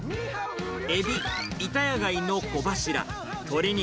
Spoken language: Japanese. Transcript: エビ、イタヤ貝の小柱、鶏肉、